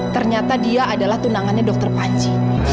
ternyata dia adalah tunangannya dokter panji